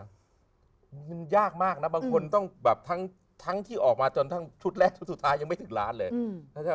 ขอบคุณท่านค่ะบางคนบางคนทั้งที่ออกมาจนทั้งชุดแรกจนสุดท้ายังไม่ถึงล้านเลย